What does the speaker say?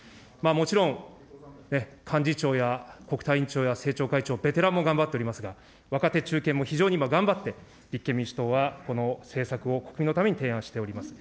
もちろん、幹事長や国対委員長や政調会長、ベテランも頑張っておりますが、若手、中堅も非常に今、頑張って、立憲民主党はこの政策を、国民のために提案しております。